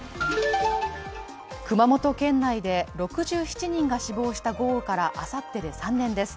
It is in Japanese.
熊本県内で６７人が死亡した豪雨からあさってで３年です。